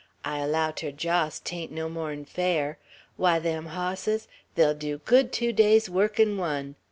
I allow ter Jos 'tain't no more'n fair. Why, them hosses, they'll dew good tew days' work'n one.